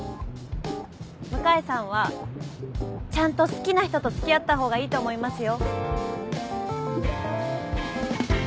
向井さんはちゃんと好きな人と付き合った方がいいと思いますよ。